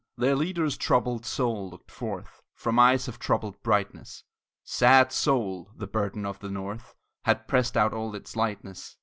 Their leader's troubled soul looked forth From eyes of troubled brightness; Sad soul! the burden of the North Had pressed out all its lightness.